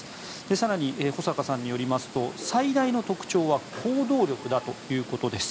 更に、保坂さんによりますと最大の特徴は行動力だということです。